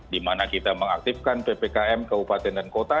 di mana kita mengaktifkan ppkm kabupaten dan kota